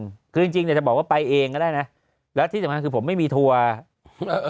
จริงคือจริงจริงเนี้ยจะบอกว่าไปเองก็ได้นะแล้วที่สำคัญคือผมไม่มีทัวร์เอ่อเอ่อ